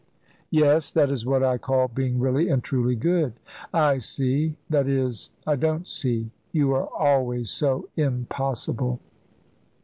"Yes, that is what I call being really and truly good." "I see that is, I don't see. You are always so impossible."